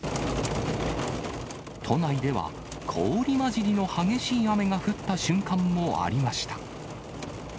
都内では氷交じりの激しい雨が降った瞬間もありました。